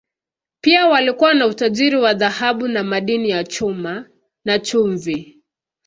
Pia walikuwa na utajiri wa dhahabu na madini ya chuma, na chumvi.